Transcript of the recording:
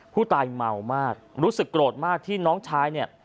ผู้ตายเมามากรู้สึกโกรธมากที่น้องชายเนี่ย